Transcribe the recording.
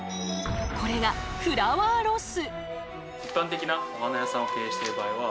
これがフラワーロス。